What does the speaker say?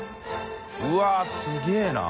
うわっすげぇな。